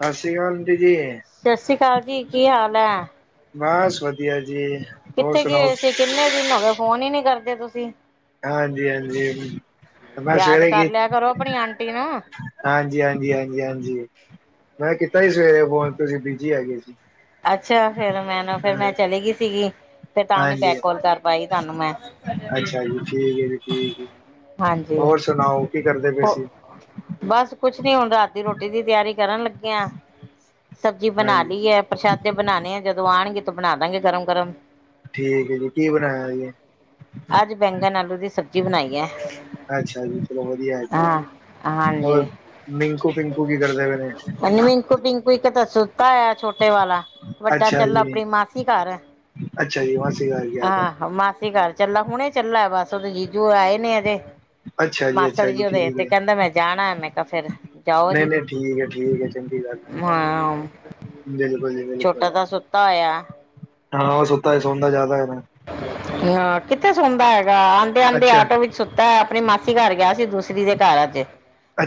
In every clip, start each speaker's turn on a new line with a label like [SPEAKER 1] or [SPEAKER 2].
[SPEAKER 1] ਸਤਿ ਸ੍ਰੀ ਕਾਲ ਅੰਟੀ ਜੀ
[SPEAKER 2] ਸਤਿ ਸ੍ਰੀ ਅਕਾਲ ਜੀ ਕੀ ਹਾਲ ਏ [unintelligible]
[SPEAKER 1] ਬਸ ਵਧੀਆ ਜੀ ਹੋਰ
[SPEAKER 2] ਕਿੱਥੇ
[SPEAKER 1] ਸੁਣਾਓ
[SPEAKER 2] ਗਏ ਸੀ ਕਿੰਨੇ ਦਿਨ ਹੋ ਗਏ ਫੋਨ ਈ ਨੀ ਕਰਦੇ ਤੁਸੀਂ
[SPEAKER 1] ਹਾਂਜੀ ਹਾਂਜੀ ਮੈਂ
[SPEAKER 2] ਯਾਦ
[SPEAKER 1] ਸਵੇਰੇ
[SPEAKER 2] ਕਰ
[SPEAKER 1] ਕੀ
[SPEAKER 2] ਲਿਆ ਕਰੋ ਆਪਣੀ ਆਂਟੀ ਨੂੰ
[SPEAKER 1] ਹਾਂਜੀ ਹਾਂਜੀ ਹਾਂਜੀ ਹਾਂਜੀ ਮੈਂ ਕੀਤਾ ਸੀ ਸਵੇਰੇ ਫੋਨ ਤੁਸੀਂ ਬਿਜੀ ਹੇਗੇ ਸੀ
[SPEAKER 2] ਅੱਛਾ ਫੇਿਰ ਮੈਂ ਨਾ ਫਿਰ ਮੈਂ ਚਲੀ ਗਈ ਸੀਗੀ ਤੇ ਤਾਂ ਨੀ
[SPEAKER 1] ਹਾਂਜੀ
[SPEAKER 2] ਬੈਕ ਕੋਲ ਕਰ ਪਾਈ ਤੁਹਾਨੂੰ ਮੈਂ
[SPEAKER 1] ਅੱਛਾ ਜੀ ਠੀਕ ਹੈ ਜੀ ਠੀਕ ਹੈ
[SPEAKER 2] ਹਾਂਜੀ
[SPEAKER 1] ਹੋਰ ਸੁਣਾਓ ਕੀ ਕਰਦੇ ਪੇਏ
[SPEAKER 2] ਹੋ
[SPEAKER 1] ਸੀ
[SPEAKER 2] ਬਸ ਕੁਛ ਨੀ ਹੁਣ ਰਾਤ ਦੀ ਰੋਟੀ ਦੀ ਤਿਆਰੀ ਕਰਨ ਲੱਗੇ ਆ ਸਬਜ਼ੀ ਬਨਾ
[SPEAKER 1] ਹਾਂਜੀ
[SPEAKER 2] ਲਈ ਏ ਪ੍ਰਸ਼ਾਦੇ ਬਨਾਨੇ ਆ ਜਦੋਂ ਆਣਗੇ ਤਾਂ ਬਣਾ ਦਾਂਗੇ ਗਰਮ ਗਰਮ
[SPEAKER 1] ਠੀਕ ਏ ਜੀ ਕੀ ਬਣਾਇਆ ਜੇ
[SPEAKER 2] ਅੱਜ ਬੈਂਗਨ ਆਲੂ ਦੀ ਸਬਜ਼ੀ ਬਨਾਈ ਏ
[SPEAKER 1] ਅੱਛਾ ਜੀ ਚਲੋ ਵਧੀਆ ਜੀ
[SPEAKER 2] ਹਾਂ ਹਾਂਜੀ
[SPEAKER 1] ਹੋਰ ਮਿੰਕੂ ਪਿੰਕੂ ਕੀ ਕਰਦੇ ਪਏ ਨੇ
[SPEAKER 2] ਨ ਵੀਕੂ ਪਿੰਕੂ ਤਾਂ ਸੁੱਤਾ ਹੋਇਆ ਛੋਟੇ ਵਾਲਾ ਵੱਡਾ
[SPEAKER 1] ਅੱਛਾ
[SPEAKER 2] ਚੱਲਾ
[SPEAKER 1] ਜੀ
[SPEAKER 2] ਆਪਣੀ ਮਾਸੀ ਘਰ ਏ
[SPEAKER 1] ਅੱਛਾ ਜੀ ਮਾਸੀ ਘਰ ਗਿਆ ਤਾ
[SPEAKER 2] ਆਹ ਮਾਸੀ ਘਰ ਚੱਲਾ ਹੁਣੇ ਚੱਲਾ ਬਸ ਓਦੇ ਜੀਜੂ ਆਏ ਨੇ ਅਜੇ
[SPEAKER 1] ਅੱਛਾ
[SPEAKER 2] ਮਾਸੜ
[SPEAKER 1] ਅੱਛਾ
[SPEAKER 2] ਜੀ ਉਹਦੇ
[SPEAKER 1] ਠੀਕ
[SPEAKER 2] ਤੇ
[SPEAKER 1] ਹੈ
[SPEAKER 2] ਕਹਿੰਦਾ ਮੈਂ ਜਾਨਾ ਮੈਂ ਕਿਹਾ ਫਿਰ ਜਾਓ
[SPEAKER 1] ਨਹੀਂ
[SPEAKER 2] ਜੀ
[SPEAKER 1] ਨਹੀਂ ਠੀਕ ਹੈ
[SPEAKER 2] ਹਾਂ
[SPEAKER 1] ਹ [inaudible]
[SPEAKER 2] ਛੋਟਾ ਤਾਂ ਸੁੱਤਾ ਹੋਇਆ
[SPEAKER 1] ਹਾਂ ੳਹ ਸੁੱਤਾ ਏ ਸੋਦਾ ਜ਼ਿਆਦਾ ਏ
[SPEAKER 2] ਹਾ ਕਿੱਥੇ ਸੁਣਦਾ ਹੈਗਾ ਆਂਦੇ ਆਂਦੇ
[SPEAKER 1] ਅੱਛਾ,
[SPEAKER 2] ਆਟੋ ਵਿੱਚ ਸੁੱਤਾ ਆਪਨੀ ਮਾਸੀ ਘਰ ਗਿਆ ਸ ਦੂਸਰੀ ਦੇ ਘਰ ਅੱਜੇ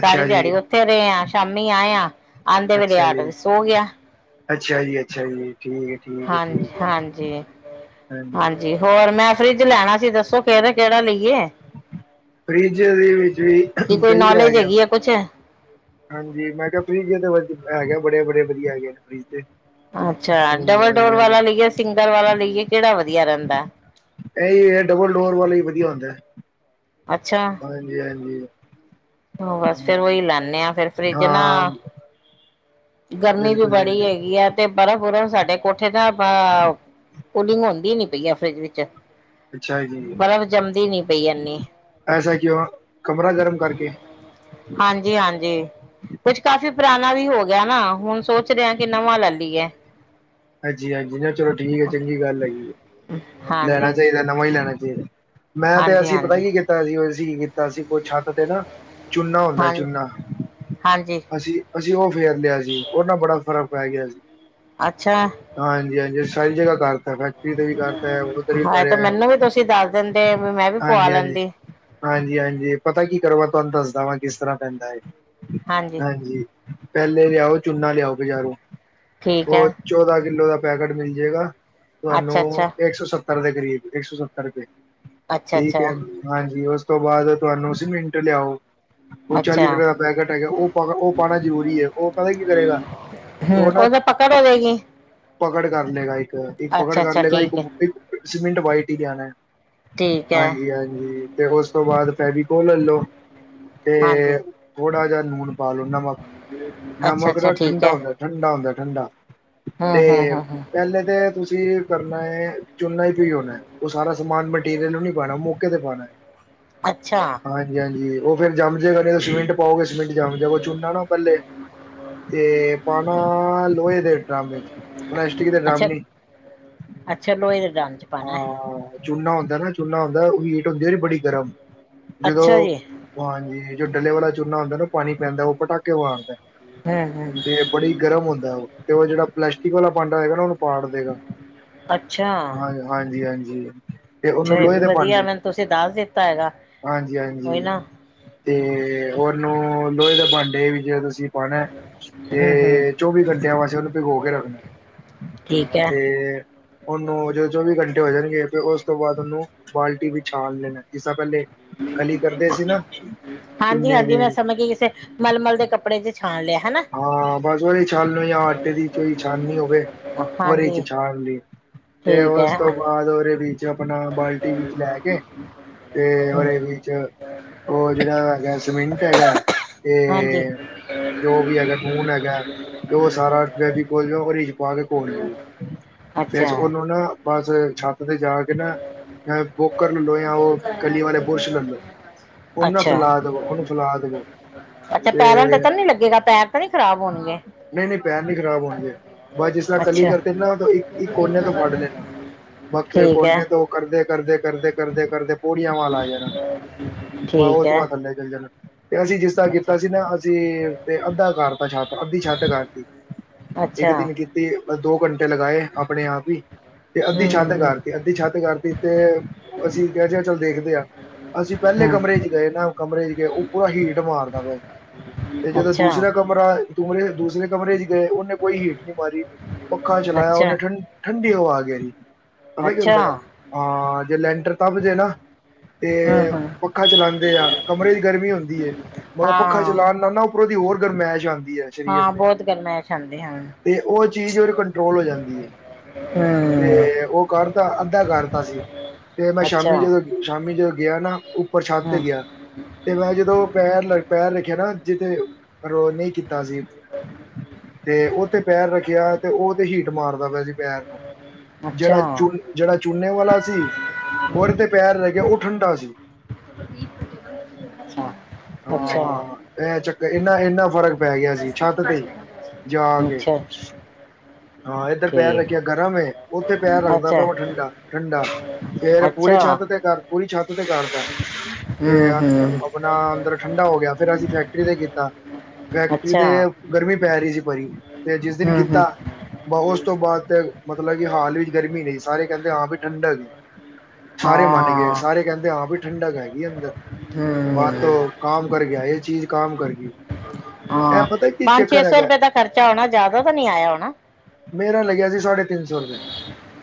[SPEAKER 2] ਸਾਰੀ
[SPEAKER 1] ਜੀ,
[SPEAKER 2] ਦਿਹਾੜੀ ਉੱਥੇ ਰਹੇ ਆ ਸ਼ਾਮੀ ਆਏ ਆ ਆਦੇ ਵੇਲੇ
[SPEAKER 1] ਅੱਛਾ
[SPEAKER 2] ਆਟੋ
[SPEAKER 1] ਜੀ।
[SPEAKER 2] ਵਿੱਚ ਸੋ ਗਿਆ
[SPEAKER 1] ਅੱਛਾ ਜੀ ਅੱਛਾ ਜੀ ਠੀਕ ਹੈ, ਠੀਕ ਹੈ,
[SPEAKER 2] ਹਾਂਜੀ
[SPEAKER 1] ਠੀਕ ਹੈ
[SPEAKER 2] ਹਾਂਜੀ ਹਾਂਜੀ ਹੋਰ ਮੈਂ ਫਰਿੱਜ ਲੈਣਾ ਸੀ ਦੱਸੋ ਕਿਹੜਾ ਲਈਏ
[SPEAKER 1] ਫਰਿਜ ਦੇ ਵਿੱਚ ਵੀ
[SPEAKER 2] ਦੀ ਕੋਈ
[SPEAKER 1] ਕਈ ਆ
[SPEAKER 2] ਨੌਲੇਜ
[SPEAKER 1] ਗਿਆ
[SPEAKER 2] ਹੈਗੀ ਹੈ ਕੁਛ
[SPEAKER 1] ਹਾਂਜੀ ਮੈਂ ਕਿਹਾ ਫਰਿਜ ਤਾਂ ਵ ਹੈਗਾ ਬੜੇ ਬੜੇ ਵਧੀਆ ਹੈਗੇ ਨੇ ਫਰਿਜ ਤੇ
[SPEAKER 2] ਅੱਛਾ
[SPEAKER 1] ਹਾਂਜੀ
[SPEAKER 2] ਡਬਲ ਡੋਰ
[SPEAKER 1] ਹਾਂਜੀ
[SPEAKER 2] ਵਾਲਾ ਲਈਏ ਸਿੰਗਲ ਵਾਲਾ ਲਈਏ ਕਿਹੜਾ ਵਧੀਆ ਰਹਿੰਦਾ
[SPEAKER 1] ਇਹੀ ਇਹ ਡਬਲ ਡੋਰ ਵਾਲਾ ਹੀ ਵਧੀਆ ਹੁੰਦਾ ਹਾਂਜੀ ਹਾਂਜੀ
[SPEAKER 2] ਹ ਬਸ ਫਿਰ ਓਹੀ ਲਾ ਆ ਫਿਰ ਫਰਿਜ ਨਾ
[SPEAKER 1] ਹਾਂ
[SPEAKER 2] ਗਰਮੀ ਵੀ
[SPEAKER 1] ਬਿਲਕੁਲ ਜੀ
[SPEAKER 2] ਬੜੀ
[SPEAKER 1] ਬਿਲਕੁਲ
[SPEAKER 2] ਹੈਗੀ ਆ ਤੇ ਬਰਫ ਬੁਰਾ ਸਾਡੇ ਕੋਠੇ ਦਾ ਕੂਲਿੰਗ ਹੁੰਦੀ ਨੀ ਪਈ ਆ ਫਰਿਜ ਵਿੱਚ
[SPEAKER 1] ਅੱਛਾ ਜੀ
[SPEAKER 2] ਬਰਫ ਜੰਮਦੀ ਨੀ ਪਈ ਇੰਨੀ
[SPEAKER 1] ਐਸਾ ਕਿਉਂ ਕਮਰਾ ਗਰਮ ਕਰਕੇ
[SPEAKER 2] ਹਾਂਜੀ ਹਾਂਜੀ ਕੁਛ ਕਾਫੀ ਪੁਰਾ ਵੀ ਹੋ ਗਿਆ ਨਾ ਹੁਣ ਸੋਚ ਰਿਹਾ ਕਿ ਨਵਾਂ ਲੈ ਲਈਏ
[SPEAKER 1] ਹਾਂਜੀ ਹਾਂਜੀ ਨਾ ਚਲੋ ਠੀਕ ਹੈ ਚੰਗੀ ਗੱਲ ਹੈਗੀ ਲੈਣਾ
[SPEAKER 2] ਹਾਂਜੀ
[SPEAKER 1] ਚਾਹੀਦਾ ਨਵਾਂ ਹੀ ਲੈਣਾ ਚਾਹੀਦਾ ਮੈਂ ਤੇ
[SPEAKER 2] ਹਾਂਜੀ
[SPEAKER 1] ਅਸੀਂ ਪਤਾ
[SPEAKER 2] ਹਾਂਜੀ
[SPEAKER 1] ਕੀ ਕੀਤਾ ਸੀ ਅਸੀਂ ਕੀ ਕੀਤਾ ਸੀ ਕੁਛ ਛੱਤ ਤੇ ਨਾ ਚੁੰਨਾ ਹੁੰਦਾ
[SPEAKER 2] ਹਾਂਜੀ
[SPEAKER 1] ਚੁੰਨਾ
[SPEAKER 2] ਹਾਂਜੀ
[SPEAKER 1] ਅਸੀਂ ਅਸੀਂ ਉਹ ਫਿਰ ਲਿਆ ਸੀ ਉਹ ਨਾਲ ਬੜਾ ਫਰਕ ਪੈ ਗਿਆ ਸੀ
[SPEAKER 2] ਅੱਛਾ
[SPEAKER 1] ਹਾਂਜੀ ਹਾਂਜੀ ਸਾਰੀ ਜਗ੍ਹਾ ਕਰਤਾ ਫੈਕਟਰੀ ਤੇ ਵੀ ਕਰਤਾ ਹੈ ਉਧਰ ਵੀ
[SPEAKER 2] ਹਾਏ ਤੇ
[SPEAKER 1] ਕਰਹਾ
[SPEAKER 2] ਮੈਨੂੰ ਵੀ ਤੁਸੀਂ ਦੱਸ ਦਿੰਦੇ ਵੀ ਮੈਂ ਵੀ ਪਵਾ
[SPEAKER 1] ਹਾਂਜੀ ਹਾਂਜੀ
[SPEAKER 2] ਲੈਂਦੀ
[SPEAKER 1] ਹਾਂਜੀ ਹਾਂਜੀ ਪਤਾ ਕੀ ਕਰੋਗਾ ਤੁਹਾਨੂੰ ਦੱਸ ਕਿਸ ਤਰ੍ਹਾਂ ਪੈਂਦਾ ਹੈ ਹਾਂਜੀ ਪਹਿਲੇ ਲਿਆਓ ਚੂਨਾ ਲਿਆਓ ਬਜ਼ਾਰੋਂ
[SPEAKER 2] ਠੀਕ ਹੈ
[SPEAKER 1] ਅੱਧਾ ਕਿੱਲੋ ਦਾ ਪੈਕੇਟ ਮਿਲ ਜਾਏਗਾ
[SPEAKER 2] ਅੱਛਾ
[SPEAKER 1] ਤੁਹਾਨੂੰ
[SPEAKER 2] ਅੱਛਾ
[SPEAKER 1] ਇੱਕ ਸੌ ਸੱਤਰ ਦੇ ਕਰੀਬ ਇੱਕ ਸੌ ਸੱਤਰ ਰੁਪਏ
[SPEAKER 2] ਅੱਛਾ
[SPEAKER 1] ਠੀਕ
[SPEAKER 2] ਅੱਛਾ
[SPEAKER 1] ਹੈ ਹਾਂਜੀ ਉਸ ਤੋਂ ਬਾਅਦ ਤੁਹਾਨੂੰ ਸੀ ਮਿੰਟ ਲਿਆਓ ਓ ਚਾਲੀ
[SPEAKER 2] ਅੱਛਾ
[SPEAKER 1] ਰੁਪਏ ਦਾ ਪੈਕੇਟ ਹੈਗਾ ਓਹ ਹ ਪਾਣਾ ਜਰੂਰੀ ਐ ਓ ਪਤਾ ਕੀ ਕਰੇਗਾ?
[SPEAKER 2] ਹੂੰ
[SPEAKER 1] ਉਹ ਨਾ
[SPEAKER 2] ਓ ਤਾਂ ਪਕੜ ਹੋਵੇਗੀ।
[SPEAKER 1] ਪਕੜ ਕਰ ਲਏਗਾ ਇੱਕ ਇੱਕ ਪਕੜ ਕਰ ਲੇਗਾ ਇੱਕ
[SPEAKER 2] ਠੀਕ ਹੈ
[SPEAKER 1] ਸੀਮਿੰਟ ਵਾਈਟ ਹੀ ਲਿਆਣਾ।
[SPEAKER 2] ਠੀਕ ਹੈ
[SPEAKER 1] ਹਾਂਜੀ-ਹਾਂਜੀ ਤੇ ਓਸ ਤੋਂ ਬਾਦ ਫੇਵੀਕੋਲ ਲਓ ਤੇ
[SPEAKER 2] ਹਾਂਜੀ
[SPEAKER 1] ਥੋੜਾ ਜਾ ਲੂਣ ਪਾ ਲੋ
[SPEAKER 2] ਅੱਛਾ
[SPEAKER 1] ਨਮਕ-ਨਮਕ
[SPEAKER 2] ਅੱਛਾ
[SPEAKER 1] ਤਾਂ
[SPEAKER 2] ਠੀਕ
[SPEAKER 1] ਠੰਡਾ
[SPEAKER 2] ਹੈ
[SPEAKER 1] ਹੁੰਦਾ ਠੰਡਾ ਹੁੰਦਾ ਠੰਡਾ।
[SPEAKER 2] ਹਮ
[SPEAKER 1] ਤੇ
[SPEAKER 2] ਹਮ ਹਮ ਹਮ
[SPEAKER 1] ਪਹਿਲੇ ਤੇ ਤੁਸੀਂ ਕਰਨਾ ਏ ਚੁੰਨਾ ਈ ਪਿਓਨਾ ਹੋਣਾ ਓ ਸਾਰਾ ਸਮਾਨ ਮਟੀਰੀਅਲ ਨੂੰ ਨੀ ਪਾਣਾ ਮੌਕੇ ਤੇ ਪਾਣਾ
[SPEAKER 2] ਅੱਛਾ
[SPEAKER 1] ਹਾਂਜੀ-ਹਾਂਜੀ ਓ ਫਿਰ ਜੰਮ ਜੇਗਾ ਇਦੇ ਸਮਿੰਟ ਪਾਓਗੇ ਸਮਿੰਟ ਜਮ ਜਾਉਗਾ ਚੁਨਾ ਨਾ ਪਹਿਲੇ ਤੇ ਪਾਣਾ ਲੋਹੇ ਦੇ ਰਾਮ ਵਿਚ ਹੁਣ ਐਸਟ ਰਾਮ
[SPEAKER 2] ਅੱਛਾ
[SPEAKER 1] ਨਹੀਂ
[SPEAKER 2] ਅੱਛਾ ਲੋਹੇ ਦੇ ਡਰਮ ਚ ਪਾਉਣਾ
[SPEAKER 1] ਹਾਂ ਚੁੱਲਾ ਹੁੰਦਾ ਨਾ ਚੁੱਲਾ ਹੁੰਦਾ ਓ ਹੀਟ ਹੁੰਦੀ ਐ ਦੀ ਬੜੀ ਗਰਮ ਜਦੋਂ
[SPEAKER 2] ਅੱਛਾ ਜੀ
[SPEAKER 1] ਹਾਂਜੀ ਜੋ ਡੱਲੇ ਵਾਲਾ ਚੂਨਾ ਹੁੰਦਾ ਨਾ ਪਾਣੀ ਪੈਂਦਾ ਓ ਪਟਾਕੇ ਮਾਰਦਾ
[SPEAKER 2] ਹਮ ਹਮ
[SPEAKER 1] ਤੇ ਬੜੀ ਗਰਮ ਹੁੰਦਾ ਓ ਤੇ ਓ ਜੇੜਾ ਪਲਾਸਟਿਕ ਵਾਲਾ ਭਾਂਡਾ ਹੈਗਾ ਨਾ ਓਨੂੰ ਪਾੜ ਦੇਗਾ
[SPEAKER 2] ਅੱਛਾ
[SPEAKER 1] ਹਾਂ ਹਾਂਜੀ-ਹਾਂਜੀ ਤੇ
[SPEAKER 2] ਅੱਛਾ
[SPEAKER 1] ਓਨੂੰ
[SPEAKER 2] ਇਹ
[SPEAKER 1] ਲੋਹੇ
[SPEAKER 2] ਵੀ
[SPEAKER 1] ਦੇ
[SPEAKER 2] ਵਧੀਆ
[SPEAKER 1] ਭਾਂਡੇ
[SPEAKER 2] ਮੈਨੂੰ ਤੁਸੀਂ ਦੱਸ ਦਿੱਤਾ ਹੈਗਾ ਕੋਈ
[SPEAKER 1] ਹਾਂਜੀ-ਹਾਂਜੀ
[SPEAKER 2] ਨਾ
[SPEAKER 1] ਤੇ ਹੋ ਤੋਨੂੰ ਲੋਹੇ ਦੇ ਭਾਂਡੇ ਵੀ ਜੇ ਤੁਸੀਂ ਪਾਣਾ
[SPEAKER 2] ਹਮ ਹਮ
[SPEAKER 1] ਤੇ ਚੌਵੀ ਘੰਟਿਆਂ ਵਾਸਤੇ ਤੇ ਓਨੂੰ ਭਿਗੋ ਕੇ ਰੱਖਣਾ
[SPEAKER 2] ਠੀਕ ਹੈ
[SPEAKER 1] ਤੇ ਓਨੂੰ ਜਦੋਂ ਚੌਵੀ ਘੰਟੇ ਹੋ ਜਾਣਗੇ ਫਿਰ ਉਸ ਤੋਂ ਬਾਦ ਉਨੂੰ ਬਾਲਟੀ ਵਿੱਚ ਛਾਣ ਲੈਣਾ ਜਿਸ ਤਰ੍ਹਾਂ ਪੇਲੇ ਕਲੀ ਕਰਦੇ ਸੀ ਨਾ। ਚੁੰਨੇ
[SPEAKER 2] ਹਾਂਜੀ-ਹਾਂਜੀ
[SPEAKER 1] ਦੀ
[SPEAKER 2] ਮੈਂ ਸਮਝ ਗੀ ਕਿਸੇ ਮਲਮਲ ਦੇ ਕੱਪੜੇ ਚ ਛਾਣ ਲਿਆ। ਹਨਾ
[SPEAKER 1] ਹਾਂ ਬਸ ਓਦੀ ਛਲਣੀ ਆ ਆਟੇ ਦੀ ਚਈ ਛਾਨਨੀ ਹੋਵੇ ਓਰੇ ਚ
[SPEAKER 2] ਹਾਂਜੀ
[SPEAKER 1] ਛਾਲ ਲਈ। ਤੇ
[SPEAKER 2] ਠੀਕ
[SPEAKER 1] ਉਸ ਤੋਂ
[SPEAKER 2] ਹੈ
[SPEAKER 1] ਬਾਦ ਉਰੇ ਵੀ ਆਪਣਾ ਬਾਲਟੀ ਵਿੱਚ ਲੈ ਕੇ ਤੇ ਓਦੇ ਵਿੱਚ ਓ ਜੇੜਾ ਹੈਗਾ ਸਮਿੰਟ ਹੈਗਾ ਤੇ
[SPEAKER 2] ਹਾਂਜੀ
[SPEAKER 1] ਜੋ ਵੀ ਹੈਗਾ ਨੂਨ ਹੈਗਾ ਤੇ ਓਹ ਸਾਰਾ ਫੇਵੀਕੋਲ [unintelligible] ਪਾ ਕੇ ਘੋਲ ਲ
[SPEAKER 2] ਅੱਛਾ
[SPEAKER 1] ਫੇਸ ਓਨੂੰ ਨਾ ਬਸ ਛੱਤ ਤੇ ਜਾ ਕੇ ਨਾ ਬੋਕਰ ਲਲੋ ਜਾਂ ਓ ਕਲੀ ਵਾਲੇ ਬੁਰਸ਼ ਲੱਲਓ ਓਨਾ
[SPEAKER 2] ਅੱਛਾ
[SPEAKER 1] ਫੈਲਾ ਦੇਵੋ ਓਨੂੰ ਫੈਲਾ ਦੇਵੋ।
[SPEAKER 2] ਅੱਛਾ ਪੈਰਾਂ ਤੇ ਤਾਂ ਨੀ ਲੱਗੇਗਾ ਪੈਰ ਤਾਂ ਨੀ ਖ਼ਰਾਬ ਹੋਣਗੇ।
[SPEAKER 1] ਨਹੀਂ ਨਹੀਂ ਪੈਰ ਨੀ ਖ਼ਰਾਬ ਹੋਣਗੇ ਬਸ ਜਿਸ ਤਰ੍ਹਾਂ ਕਲੀ
[SPEAKER 2] ਅੱਛਾ
[SPEAKER 1] ਕਰਦੇ ਨਾ ਤਾਂ ਇੱਕ ਇੱਕ ਕੋਨੇ ਤੋਂ ਫੜ ਲੈਣਾ ਬਾਕੀ
[SPEAKER 2] ਠੀਕ ਹੈ
[SPEAKER 1] ਕੋਨੇ ਤੋਂ ਓ ਕਰਦੇ-ਕਰਦੇ-ਕਰਦੇ-ਕਰਦੇ-ਕਰਦੇ। ਪੋੜੀਆਂ ਵਾਲਾ ਆ ਜਾਣਾ ਬਾ ਓ
[SPEAKER 2] ਠੀਕ
[SPEAKER 1] ਚ
[SPEAKER 2] ਹੈ
[SPEAKER 1] ਮਾ ਥੱਲੇ ਚੱਲ ਜਾਣਾ। ਤੇ ਅਸੀਂ ਜਿਸ ਤਰ੍ਹਾਂ
[SPEAKER 2] ਅੱਛਾ
[SPEAKER 1] ਕੀਤਾ ਸੀ ਨਾ ਅਸੀਂ ਤੇ ਅੱਧਾ ਕਰਤਾ ਛੱਤ ਅੱਧੀ ਛੱਤ ਕਰਤੀ ਇੱਕ
[SPEAKER 2] ਅੱਛਾ
[SPEAKER 1] ਦਿਨ ਕੀਤੀ ਦੋ ਘੰਟੇ ਟੇ ਲਗਾਏ ਆਪਣੇ ਆਪ ਈ। ਤੇ ਅੱਧੀ
[SPEAKER 2] ਹਮ
[SPEAKER 1] ਛਤ
[SPEAKER 2] ਹਮ
[SPEAKER 1] ਕਰਤੀ ਅੱਧੀ ਛਤ ਕਰਤੀ ਤੇ ਅਸੀਂ ਕਿਹਾ ਚੱਲ ਦੇਖਦੇ ਆ। ਅਸੀਂ ਪਹਿਲੇ
[SPEAKER 2] ਹਮ
[SPEAKER 1] ਕਮਰੇ 'ਚ ਗਏ ਨਾ ਕਮਰੇ 'ਚ ਗਏ ਪੂਰਾ ਹੀਟ ਮਾਰਦਾ ਪਿਆ ਸੀ। ਤੇ
[SPEAKER 2] ਹਮ
[SPEAKER 1] ਜਦੋਂ
[SPEAKER 2] ਅੱਛਾ
[SPEAKER 1] ਦੂਸਰਾ ਕਮਰਾ ਦੂਰੇ ਦੂਸਰੇ ਕਮਰੇ ਗਏ ਓਨੇ ਕੋਈ ਹੀਟ ਨਹੀਂ ਮਾਰੀ ਪੱਖਾ ਚਲਾਇਆ
[SPEAKER 2] ਅੱਛਾ
[SPEAKER 1] ਉਹਨੇ ਠੰ ਠੰਡੀ ਹਵਾ ਆ ਗ ਰੀ ਪਤਾ ਕੀ
[SPEAKER 2] ਅੱਛਾ
[SPEAKER 1] ਹੁੰਦਾ ਆ ਹਾਂ ਜੇ ਲੈਂਟਰ ਤਪ ਜੇ ਨਾ ਤੇ
[SPEAKER 2] ਹਮ ਹਮ
[SPEAKER 1] ਪੱਖਾ ਚਲਾਉਦੇ ਆ ਕਮਰੇ ਦੀ ਗਰਮੀ ਹੁੰਦੀ ਏ ਮਗਰ ਪੱਖਾ
[SPEAKER 2] ਹਾਂ
[SPEAKER 1] ਚਲਾਨ ਨਾਲ ਨਾ ਉ ਪਰੋ ਦੀ ਹੋਰ ਗਰਮੈਸ ਆਂ ਦੀਐ ਸਰੀਰ
[SPEAKER 2] ਹਾਂ
[SPEAKER 1] ਤੇ
[SPEAKER 2] ਬਹੁਤ ਗਰਮੈਸ਼ ਆਉਂਦੀ ਹਾਂ
[SPEAKER 1] ਤੇ ਓ ਚੀਜ਼ ਓ ਕੰਟਰੋਲ ਹੋ ਜਾਂਦੀ ਏ।
[SPEAKER 2] ਹਮ
[SPEAKER 1] ਤੇ ਓ ਕਰਦਾ ਅੱਧਾ ਕਰਤਾ ਸੀ। ਤੇ ਮੈਂ ਸ਼ਾਮੀ
[SPEAKER 2] ਅੱਛਾ
[SPEAKER 1] ਜਦੋਂ ਸ਼ਾਮੀ ਜਦੋਂ ਗਿਆ ਨਾ ਉੱਪਰ ਛੱਤ ਤੇ
[SPEAKER 2] ਹਮ
[SPEAKER 1] ਗਿਆ। ਤੇ ਮੈਂ ਜਦੋਂ ਪੈਰ-ਪੈਰ ਰੱਖਿਆ ਨਾ ਜਿਤੇ ਰੋ ਨੀ ਕੀ ਤਾ ਸੀ ਤੇ ਓ ਤੇ ਪੈਰ ਰੱਖਿਆ ਤੇ ਓ ਤੇ ਹੀਟ ਮਾਰਦਾ ਪਿਆ ਸੀ ਪੈਰ ਨੂੰ
[SPEAKER 2] ਅੱਛਾ
[SPEAKER 1] ਜਿਹੜਾ ਚੂਨ ਜਿਹੜਾ ਚੂਨੇ ਵਾਲਾ ਸੀ ਉਹਦੇ ਤੇ ਪੈਰ ਰਹਿ ਗਿਆ ਉਹ ਠੰਢਾ ਸੀ।
[SPEAKER 2] ਅੱਛਾ ਅੱਛਾ
[SPEAKER 1] ਹਾਂ ਇਹ ਚੱਕਰ ਇਨਾ ਇੰਨਾ ਫਰਕ ਪੈ ਗਿਆ ਸੀ ਛੱਤ ਤੇ ਜਾ ਕੇ
[SPEAKER 2] ਅੱਛਾ
[SPEAKER 1] ਹਾਂ ਏਧਰ ਪੈਰ
[SPEAKER 2] ਠੀਕ
[SPEAKER 1] ਰੱਖਿਆ ਗਰਮ ਉੱਥੇ ਪੈਰ ਰੱਖਦਾ
[SPEAKER 2] ਅੱਛਾ
[SPEAKER 1] ਪਿਆ ਵਾਂ ਠੰਡਾ- ਠੰਡਾ ਫੇਰ ਪੂਰੀ
[SPEAKER 2] ਅੱਛਾ
[SPEAKER 1] ਛੱਤ ਤੇ ਕਰ ਪੂਰੀ ਛੱਤ ਤੇ ਕਰਦਾ ਤੇ
[SPEAKER 2] ਹੂੰ ਹੂੰ
[SPEAKER 1] ਆਪਣਾ ਅੰਦਰ ਠੰਡਾ ਹੋ ਗਿਆ ਫਿਰ ਅਸੀਂ ਫੈਕਟਰੀ ਤੇ ਕੀਤਾ ਫੈਕਟਰੀ
[SPEAKER 2] ਅੱਛਾ
[SPEAKER 1] ਤੇ ਗਰਮੀ ਪੈ ਰਹੀ ਸੀ ਬੜੀ ਤੇ ਜਿਸ ਦਿਨ
[SPEAKER 2] ਹੂੰ ਹੂੰ
[SPEAKER 1] ਕੀਤਾ ਉਸ ਤੋਂ ਬਾਅਦ ਤੇ ਮਤਲਬ ਕਿ ਹਾਲ ਵਿੱਚ ਗਰਮੀ ਨਹੀਂ ਸਾਰੇ ਕਹਿੰਦੇ ਹਾਂ ਵੀ ਠੰਡਕ ਸਾਰੇ ਮੰਨ ਗਏ
[SPEAKER 2] ਹਾਂ
[SPEAKER 1] ਸਾਰੇ ਕਹਿੰਦੇ ਹਾਂ ਵੀ ਠੰਡਕ ਏ। ਅੰਦਰ
[SPEAKER 2] ਹੂੰ
[SPEAKER 1] ਬਾ ਤੋਂ ਕਾਮ ਕਰ ਗਿਆ ਇਹ ਚੀਜ਼ ਕਾਮ ਕਰ ਗਈ। ਇਹ
[SPEAKER 2] ਹਾਂ
[SPEAKER 1] ਪਤਾ ਕੀ
[SPEAKER 2] ਪੰਜ ਛੇ
[SPEAKER 1] ਚੱਕਰ
[SPEAKER 2] ਸੌ
[SPEAKER 1] ਹੈਗਾ
[SPEAKER 2] ਰੁਪਏ ਦਾ ਖਰਚਾ ਹੋਣਾ ਜ਼ਿਆਦਾ ਤਾਂ ਨਹੀਂ ਆਇਆ ਹੋਣਾ।
[SPEAKER 1] ਮੇਰਾ ਲੱਗਿਆ ਸੀ ਸਾਡੇ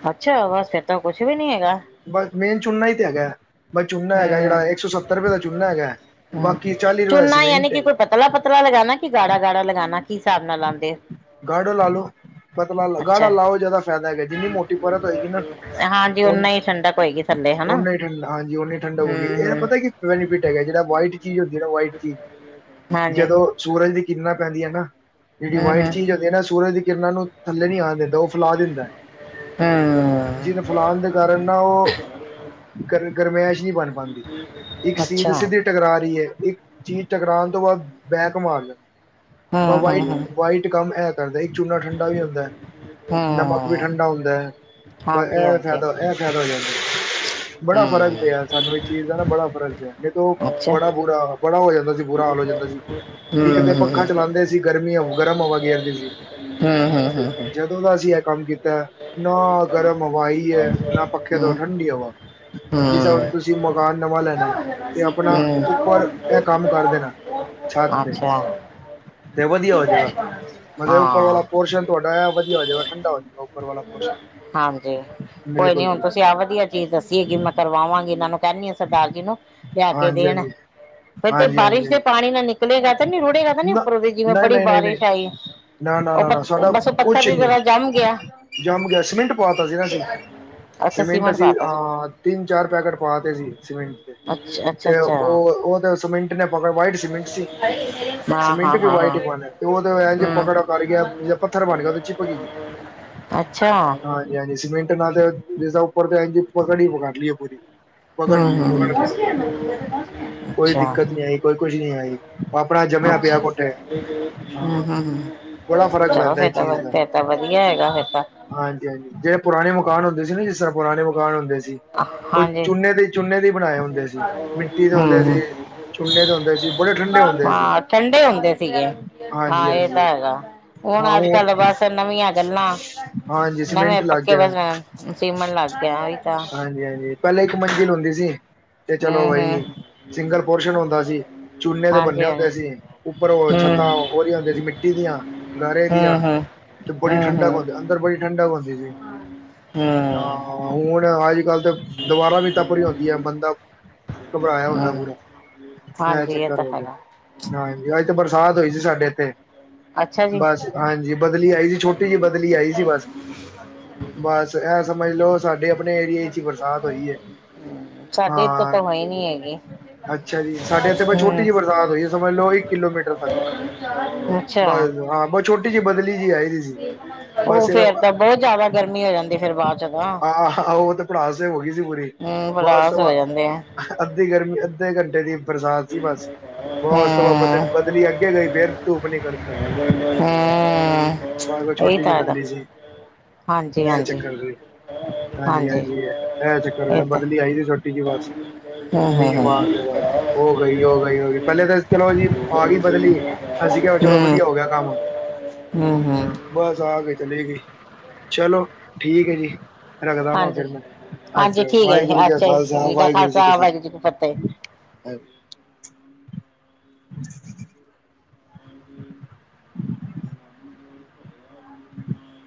[SPEAKER 2] ਅੱਛਾ ਬਸ ਫ ਤਾਂ ਕੁਛ ਵੀ ਨਹੀਂ ਹੈਗਾ।
[SPEAKER 1] ਬਸ ਮੇਨ ਚੂਨਾ ਹੀ ਤੇ ਹੈਗਾ ਬਸ ਚੂਨਾ
[SPEAKER 2] ਹੂੰ
[SPEAKER 1] ਹੈਗਾ ਜਿਹੜਾ ਇੱਕ ਸੌ ਸੱਤਰ ਰੁਪਏ ਦਾ ਚੂਨਾ ਹੈਗਾ।
[SPEAKER 2] ਹੂੰ
[SPEAKER 1] ਬਾਕੀ ਚਾਲੀ ਰੁਪਏ ਦਾ
[SPEAKER 2] ਚੂਨਾ ਯਾਨੀ
[SPEAKER 1] ਸੀਮੈਂਟ
[SPEAKER 2] ਕਿ ਕੋਈ ਪਤਲਾ -ਪਤਲਾ ਲਗਾਨਾ ਕੀ ਗਾੜਾ- ਗਾੜਾ ਲਗਾਨਾ।
[SPEAKER 1] ਗਾੜੋ ਲਾ ਲਓ ਪਤਾ ਲ ਗਾੜਾ
[SPEAKER 2] ਅੱਛਾ
[SPEAKER 1] ਲਾਓ ਜਿਆਦਾ ਫਾਇਦਾ ਹੈਗਾ ਜਿੰਨੀ ਮੋਟੀ ਪਰਤ ਹੋਏਗੀ ਨਾ
[SPEAKER 2] ਹਾਂਜੀ
[SPEAKER 1] ਉਹ
[SPEAKER 2] ਉਨਾ ਹੀ ਠੰਡਕ ਹੋਏਗੀ ਥੱਲੇ ਹਨਾ
[SPEAKER 1] ਓਨਾ ਠੰਡ ਹਾਂਜੀ ਠੰਡ
[SPEAKER 2] ਹੂੰ
[SPEAKER 1] ਊਗੀ ਇਹ ਤਾਂ
[SPEAKER 2] ਹੂੰ
[SPEAKER 1] ਪਤਾ ਕਿ ਬੈਨੀਫਿਟ ਹੈਗਾ ਜਿਹੜਾ ਵਾਈਟ ਚੀਜ਼ ਹੁੰਦੀ ਨਾ ਵਾਇਟ ਚੀਜ਼
[SPEAKER 2] ਹਾਂਜੀ
[SPEAKER 1] ਜਦੋਂ ਸੂਰਜ ਦੀ ਕਿਰਨਾਂ ਪੈਂਦੀਆਂ ਨਾ। ਜਿਹੜੀ
[SPEAKER 2] ਹੂੰ ਹੂੰ
[SPEAKER 1] ਵਾਈਟ ਚੀਜ਼ ਹੁੰਦੀ ਹੈ ਨਾ ਸੂਰਜ ਦੀ ਕਿਰਨਾਂ ਨੂੰ ਥੱਲੇ ਨਹੀਂ ਆਉਣ ਦਿੰਦਾ ਉਹ ਫੈਲਾ ਦਿੰਦਾ। ਜਿਨ
[SPEAKER 2] ਹੂੰ
[SPEAKER 1] ਫਲਾਨ ਦੇ ਕਾਰਨ ਨਾ ਉਹ ਕਰਨ ਗਰਮੈਸ਼ ਨਹੀਂ ਬਣ ਪਾਉਂਦੀ ਇੱਕ ਚੀਜ਼
[SPEAKER 2] ਅੱਛਾ
[SPEAKER 1] ਸਿੱਧੀ ਟਕਰਾ ਰਹੀ ਏ। ਇੱਕ ਚੀਜ਼ ਟਕਰਾਉਣ ਤੋਂ ਬਾਅਦ ਬੈਕ ਮਾਰ ਜਾਂਦੀ। ਵ
[SPEAKER 2] ਹੂੰ
[SPEAKER 1] ਵ
[SPEAKER 2] ਹੂੰ ਹੂੰ
[SPEAKER 1] ਵਾਈਟ ਕੰਮ ਹੈ ਕਰਦਾ ਇੱਕ ਚੂਨਾ ਠੰਡਾ ਵੀ ਹੁੰਦਾ।
[SPEAKER 2] ਹੂੰ
[SPEAKER 1] ਨਮਕ ਵੀ ਠੰਡਾ ਹੁੰਦਾ ਹੈ ਬ
[SPEAKER 2] ਹਾਂਜੀ
[SPEAKER 1] ਇਹ
[SPEAKER 2] ਹਾਂਜੀ
[SPEAKER 1] ਫਾਇਦਾ ਇਹ ਫਾਇਦਾ ਬੜਾ
[SPEAKER 2] ਹੂੰ
[SPEAKER 1] ਫ਼ਰਕ ਪਿਆ ਸਾਨੂੰ ਇੱਕ ਚੀਜ਼ ਦਾ ਨਾ ਬੜਾ ਫਰਕ ਪਿਆ। ਦੇਖੋ
[SPEAKER 2] ਅੱਛਾ ਹੂੰ
[SPEAKER 1] ਬੜਾ ਬੁਰਾ ਬੜਾ ਹੋ ਜਾਂਦਾ ਸੀ, ਬੁਰਾ ਹਾਲ ਹੋ ਜਾਂਦਾ ਸੀ, ਇੱਕ
[SPEAKER 2] ਹੂੰ
[SPEAKER 1] ਤੇ
[SPEAKER 2] ਹੂੰ
[SPEAKER 1] ਪੱਖਾ ਚਲਾਦੇ ਸੀ। ਗਰਮੀ ਗਰਮ ਹਵਾ ਆਦੀ ਸੀ,
[SPEAKER 2] ਹੂੰ ਹੂੰ
[SPEAKER 1] ਜਦੋਂ ਦਾ ਅਸੀਂ ਇਹ ਕੰਮ ਕੀਤਾ। ਨਾ ਗਰਮ ਹਵਾ ਹੀ ਹੈ, ਨਾ ਪੱਖੇ
[SPEAKER 2] ਹੂੰ ਹੂੰ
[SPEAKER 1] ਤੋਂ ਠੰਡੀ ਹਵਾ ਜਿਸ ਤਰਾ ਤੁਸੀਂ ਮਕਾਨ ਨਵਾਂ ਲੈਣਾ ਤੇ ਆਪਣਾ
[SPEAKER 2] ਹੂੰ
[SPEAKER 1] ਉੱਪਰ, ਇਹ ਕੰਮ ਕਰਦੇ ਨਾ,
[SPEAKER 2] ਅੱਛਾ,
[SPEAKER 1] ਤੇ ਵਧੀਆ ਹੋਜੇਗਾ, ਮਤਲਬ ਉੱਪਰ
[SPEAKER 2] ਹਾਂ
[SPEAKER 1] ਵਾਲਾ ਪੋਰਸ਼ਨ ਤੁਹਾਡਾ ਆ ਵਧੀਆ ਹੋ ਜਾਏਗਾ ਠੰਡਾ ਹੋ ਜ
[SPEAKER 2] ਹਾਂਜੀ, ਕੋਈ ਨੀ
[SPEAKER 1] ਬਿਲਕੁਲ
[SPEAKER 2] ਹੁਣ
[SPEAKER 1] ਬਿਲਕੁਲ
[SPEAKER 2] ਤੁਸੀਂ ਆਹ ਵਧੀਆ ਚੀਜ਼ ਦੱਸੀ ਏ ਗੀ ਮੈਂ ਕਰਵਾਵਾਂਗੀ ਇਹਨਾਂ ਨੂੰ ਕਹਿੰਦੀ ਹ ਸਰਦਾਰ ਜੀ ਨੂੰ ਲਿਆ ਕੇ
[SPEAKER 1] ਹਾਂਜੀ
[SPEAKER 2] ਦੇਣ
[SPEAKER 1] ਹਾਂਜੀ
[SPEAKER 2] ਫਿਰ ਤੇ
[SPEAKER 1] ਹਾਂਜੀ ਹਾਂਜੀ
[SPEAKER 2] ਬਾਰਿਸ਼ ਦੇ
[SPEAKER 1] ਹਾਂਜੀ
[SPEAKER 2] ਪਾਣੀ ਨੂੰ ਨਾਲੇ ਕਤਾ ਨੀ ਰੂੜੇ ਕਾ ਤਾ ਨੀ ਉੱਪਰੋਂ ਦੀ ਜਿਵੇਂ ਬੜੀ ਬਾਰਿਸ਼ ਆਈ। ਉਹ
[SPEAKER 1] ਨਾ-ਨਾ-ਨਾ-ਨਾ ਸਾਡਾ ਕੁਛ ਨਹੀਂ ਜੰਮ ਗਿਆ ਸੀਮਿੰਟ ਪਾ ਤੀ ਸੀ ਨਾ ਅਸੀ, ਸੀਮਿੰਟ ਅਸੀਂ ਅਹ ਤਿੰਨ ਚਾਰ ਪੈਕੇਟ ਪਾਤੇ ਸੀ ਸੀਮਿੰਟ ਤੇ, ਤੇ ਉਹ-ਉਹ ਤੇ ਸੀਮਿੰਟ ਨੇ ਪੜ ਵਾਈਟ ਸੀਮਿੰਟ ਸੀ। ਸੀਮਿੰਟ ਵੀ ਵਾਈਟ ਹੀ ਬਣ ਉਹ ਇਝ ਪਕੜ ਕਰ ਗਿਆ, ਪੱਥਰ ਬਣ ਗਿਆ ਉਹਦੇ ਚੀਪਕ ਗਿਆ। ਹਾਂਜੀ-ਹਾਂਜੀ, ਸੀਮੈਂਟ ਨਾ ਤੇ ਜਿਸਦਾ ਉੱਪਰ ਤੇ ਈ ਪਕੜ ਈ ਕਰ ਲਈਏ ਪੂਰੀ, ਪਕੜ ਲ ਪਕੜ ਲਿਆ, ਪੂਰਾ ਕੋਈ ਦਿੱਕਤ ਨੀ ਆਈ ਕੋਈ ਕੁਛ ਨੀ ਆਈ। ਆਪਣਾ ਜਮਿਆ ਪਿਆ
[SPEAKER 2] ਹਾਜੀ,
[SPEAKER 1] ਕੋਠੇ ਹਾਂ
[SPEAKER 2] ਹੂੰ-ਹੂੰ
[SPEAKER 1] ਬੜਾ ਫ਼ਰਕ
[SPEAKER 2] ਚਲੋ
[SPEAKER 1] ਪੈਂਦਾ
[SPEAKER 2] ਫਿਰ ਤਾ ਵਧੀਆ ਹੈਗਾ ਫਿਰ ਤਾਂ,
[SPEAKER 1] ਹਾਂਜੀ-ਹਾਂਜੀ ਜਿਹੜੇ ਪੁਰਾਣੇ ਮਕਾਨ ਹੁੰਦੇ ਸੀ, ਨਾ ਜਿਸ ਤਰ੍ਹਾਂ ਪੁਰਾਣੇ ਮਕਾਨ ਹੁੰਦੇ ਸੀ। ਉਹ
[SPEAKER 2] ਹਾਂਜੀ
[SPEAKER 1] ਚੂਨੇ ਦੇ ਚੁੰਨੇ ਦੇ ਬਣਾਏ ਹੁੰਦੇ ਸੀ, ਮਿੱਟੀ ਦੇ
[SPEAKER 2] ਹੂੰ
[SPEAKER 1] ਹੁੰਦੇ
[SPEAKER 2] ਹੂੰ।
[SPEAKER 1] ਸੀ। ਚੁੰਨੇ ਤੇ ਹੁੰਦੇ ਸੀ ਬੜੇ,
[SPEAKER 2] [inaudible]
[SPEAKER 1] ਠੰਡੇ ਹੁੰਦੇ ਸੀ
[SPEAKER 2] ਹਾਂ ਠੰਡੇ ਹੁੰਦੇ ਸੀਗੇ
[SPEAKER 1] ਹਾਂਜੀ
[SPEAKER 2] ਹਾਂ ਇਹ ਤਾਂ
[SPEAKER 1] ਹਾਂਜੀ
[SPEAKER 2] ਹੈਗਾ। ਹੁਣ ਅੱਜ-ਕੱਲ ਬਸ ਨਵੀਆਂ ਗੱਲਾਂ,
[SPEAKER 1] ਹਾਂਜੀ
[SPEAKER 2] ਨਵੇਂ
[SPEAKER 1] ਸੀਮੈਂਟ ਲੱਗ
[SPEAKER 2] ਪੱਕੇ
[SPEAKER 1] ਗਿਆ
[SPEAKER 2] ਬਸ ਸੀਮਨ ਲਾ ਗਿਆ ਈ ਤਾਂ,
[SPEAKER 1] ਜੀ ਹਾਂਜੀ ਪਹਿਲਾਂ ਇੱਕ ਮੰਜ਼ਿਲ ਹੁੰਦੀ ਸੀ, ਤੇ
[SPEAKER 2] ਹੂੰ
[SPEAKER 1] ਚਲੋ ਬਈ
[SPEAKER 2] ਹੂੰ
[SPEAKER 1] ਸਿੰਗਲ ਪੋਰਸ਼ਨ ਹੁੰਦਾ ਸੀ। ਚੂਨੇ ਦੇ ਬੰਨੇ
[SPEAKER 2] ਹਾਂਜੀ
[SPEAKER 1] ਹੁੰਦੇ ਸੀ, ਉੱਪਰੋਂ ਛੱਤਾਂ
[SPEAKER 2] ਹਾਂਜੀ
[SPEAKER 1] ਉਹਦੀਆਂ ਦੇ ਸੀ ਮਿੱਟੀ ਦੀਆਂ ਗਾਰੇ
[SPEAKER 2] ਹੂੰ
[SPEAKER 1] ਦੀਆਂ,
[SPEAKER 2] ਹੂੰ ਹੂੰ ਹੂੰ
[SPEAKER 1] ਬੜੀ ਠੰਡਾ
[SPEAKER 2] ਹੂੰ
[SPEAKER 1] ਅੰਦਰ ਬੜੀ ਠੰਡਾ ਹੁੰਦੀ ਸੀ।
[SPEAKER 2] ਹੂੰ
[SPEAKER 1] ਹੁਣ ਅੱਜ-ਕੱਲ ਤੇ ਦੁਬਾਰਾ ਵੀ ਤ ਇਹ
[SPEAKER 2] ਹਾਂਜੀ, ਐ
[SPEAKER 1] ਚੱਕਰ
[SPEAKER 2] ਤਾ
[SPEAKER 1] ਹੋ
[SPEAKER 2] ਹੈਗਾ।
[SPEAKER 1] ਗਿਆ ਹਾਂਜੀ ਬਰਸਾਤ ਹੋਈ ਸੀ ਸਾਡੇ ਇੱਥੇ?
[SPEAKER 2] ਅੱਛਾ ਜੀ
[SPEAKER 1] ਬਸ ਹਾਂਜੀ ਬਦਲੀ ਆਈ ਸੀ, ਛੋਟੀ ਜਿਹੀ ਬਦਲੀ ਆਈ ਸੀ ਬਸ ਬਸ ਐ ਸਮਝ ਲਓ। ਵੀ ਆਪਣੇ ਏਰੀਏ ਚ ਬਰਸਾਤ ਐ
[SPEAKER 2] ਸਾਡੇ ਇੱਧਰ
[SPEAKER 1] ਹਾ,
[SPEAKER 2] ਤਾਂ ਹੋਈ ਨੀ ਹੈਗੀ
[SPEAKER 1] ਅੱਛਾ ਜੀ। ਸਾਡੇ ਐਥੇ ਛੋਟੇ,
[SPEAKER 2] ਹੂੰ
[SPEAKER 1] ਸਮਝ ਲਓ, ਕਿਲੋਮੀਟਰ ਤੱਕ
[SPEAKER 2] ਅੱਛਾ
[SPEAKER 1] ਬਸ ਹਾਂ ਕੋਈ ਛੋਟੀ ਜਿਹੀ ਬਦਲੀ ਜੀ ਐ
[SPEAKER 2] ਉਹ ਫੇਰ ਤਾਂ ਬਹੁਤ ਜਿਆਦਾ ਗਰਮੀ ਹੋ ਜਾਂਦੀ ਫਿਰ ਬਾਅਦ ਚ ਤਾ,
[SPEAKER 1] ਆਹ ਉਹ ਤੇ ਭੜਾਸ ਹੋ ਗਈ ਸੀ, ਬੜੀ ਬਹੁਤ
[SPEAKER 2] ਹੋ
[SPEAKER 1] ਸਵਾ
[SPEAKER 2] ਜਾਂਦੇ ਆ
[SPEAKER 1] ਅੱਧੀ ਗਰਮੀ ਅੱਧੇ ਘੰਟੇ ਬਸਾਦ ਜੀ ਬਸ,
[SPEAKER 2] ਹੂੰ
[SPEAKER 1] ਬਹੁਤ ਸਵਾ ਬੰਦੇ ਨੂੰ ਬਦਰੀ ਅੱਗੇ ਗਈ ਫਿਰ ਧੂਫ ਨੀ ਕਰਦੀ।
[SPEAKER 2] ਇਹ ਤਾਂ ਹੈਗਾ ਹਾਂਜੀ-ਹਾਂਜੀ,
[SPEAKER 1] ਹਾਂਜੀ-ਹਾਂਜੀ, ਐ ਤਾ ਕਰਿਆ
[SPEAKER 2] ਇਹ ਤਾਂ
[SPEAKER 1] ਬਦਲੀ ਆਈ ਸੀ ਮਾੜੀ ਮੋਟੀ ਜੀ ਅੱਜ
[SPEAKER 2] ਹੂੰ ਹੂੰ
[SPEAKER 1] ਮੇਵਾ
[SPEAKER 2] ਹੂੰ
[SPEAKER 1] ਔ ਗਈ ਔ ਗਈ। ਤੇ ਪਹਿਲੇ ਤਾਂ ਚਲੋ ਜੀ ਆ ਗਈ ਬਦਲੀ, ਅਸੀਂ ਕਿਹਾ
[SPEAKER 2] ਹੂੰ
[SPEAKER 1] ਚਲੋ ਵਧੀਆ ਹੋ ਗਿਆ ਕੰਮ,
[SPEAKER 2] ਹੂੰ ਹੂੰ
[SPEAKER 1] ਬਸ ਆ ਕੇ ਚਲੀ ਗਈ ਚਲੋ ਠੀਕ ਐ ਜੀ, ਰਗਦਾ ਵਾ
[SPEAKER 2] ਹਾਂਜੀ
[SPEAKER 1] ਫਿਰ
[SPEAKER 2] ਹਾਂਜੀ
[SPEAKER 1] ਅੱਛਾ
[SPEAKER 2] ਠੀਕ ਹੈ
[SPEAKER 1] ਵਾਹਿਗੁਰੂ ਜੀ ਕਾ
[SPEAKER 2] ਅੱਛਾ
[SPEAKER 1] ਖਾਲਸਾ
[SPEAKER 2] ਸ੍ਰੀ ਅਕਾਲ
[SPEAKER 1] ਵਾਹਿਗੁਰੂ ਜੀ
[SPEAKER 2] ਖਾਲਸਾ
[SPEAKER 1] ਕੀ,
[SPEAKER 2] ਵਾਹਿਗੁਰੂ ਫਤਿਹ
[SPEAKER 1] ਹ ਕੋਈ ਅਵਾਜ਼ ਨਹੀਂ